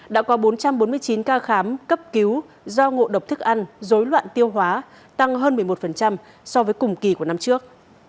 đã có bốn trăm bốn mươi chín ca khám cấp cứu do ngộ độc thức ăn dối loạn tiêu hóa tăng hơn một mươi một so với cùng kỳ của năm trước